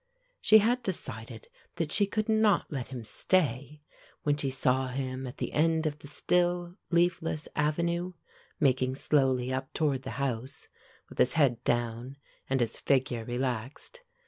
She had decided that she could not let him stay, when she saw him at the end of the still leafless avenue, making slowly up toward the house, with his head down, and his figure relaxed.